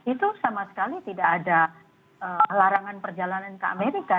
itu sama sekali tidak ada larangan perjalanan ke amerika